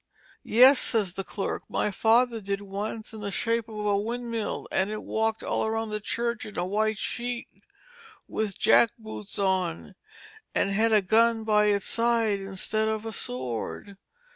Yes, says the clerk, my father did once in the shape of a windmill, and it walked all round the church in a white sheet, with jack boots on, and had a gun by its side instead of a sword.